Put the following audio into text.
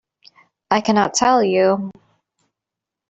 I cannot tell you.